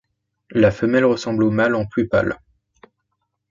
La femelle ressemble au mâle en plus pâle.